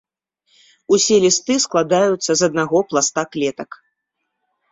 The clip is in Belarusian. Усе лісты складаюцца з аднаго пласта клетак.